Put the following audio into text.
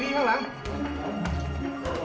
หลังคอมมันโดข้าวเคลียร์พื้นที่